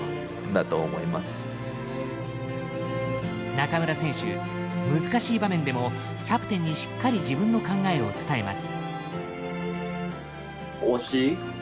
中村選手、難しい場面でもキャプテンにしっかり自分の考えを伝えます。